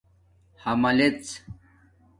حَملژ